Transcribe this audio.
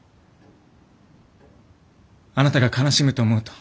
あなたが悲しむと思うと。